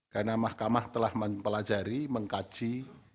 karena mahkamah telah mempelajari mengkaji